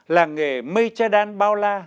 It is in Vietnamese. làng nghề mây che đan bao la